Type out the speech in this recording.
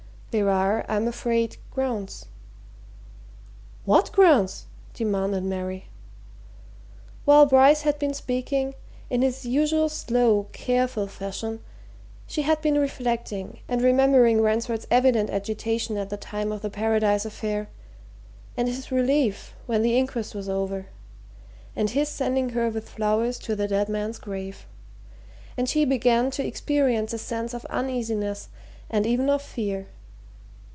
There are, I'm afraid, grounds." "What grounds?" demanded Mary. While Bryce had been speaking, in his usual slow, careful fashion, she had been reflecting and remembering Ransford's evident agitation at the time of the Paradise affair and his relief when the inquest was over and his sending her with flowers to the dead man's grave and she began to experience a sense of uneasiness and even of fear.